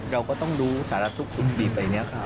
เราก็ต้องรู้สารรักทุกสุขดีไปอย่างนี้ค่ะ